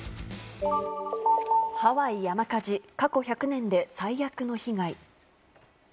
ハワイ山火事、過去１００年で最悪の被害。